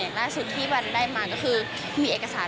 อย่างล่าสุดที่มันได้มากระคา